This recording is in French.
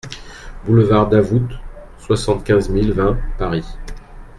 Boulevard Davout, soixante-quinze mille vingt Paris